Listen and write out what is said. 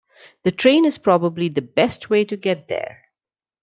The train is probably the best way to get there.